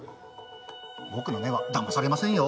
僕の目はだまされませんよ。